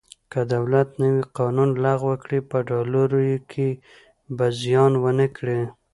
که دولت نوی قانون لغوه کړي په ډالرو کې به زیان ونه کړي.